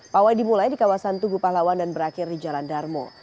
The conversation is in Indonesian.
pawai dimulai di kawasan tugu pahlawan dan berakhir di jalan darmo